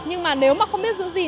nhưng mà nếu mà không biết giữ gì